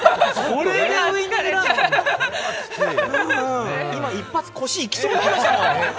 これ、一発腰、いきそうになりました。